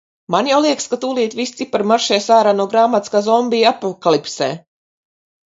Man jau liekas, ka tūlīt visi cipari maršēs ārā no grāmatas kā zombiju apokalipsē.